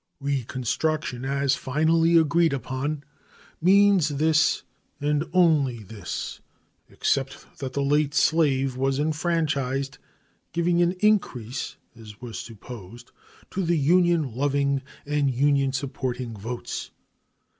Reconstruction, as finally agreed upon, means this and only this, except that the late slave was enfranchised, giving an increase, as was supposed, to the Union loving and Union supporting votes.